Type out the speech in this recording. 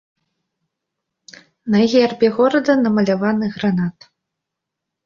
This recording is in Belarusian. На гербе горада намаляваны гранат.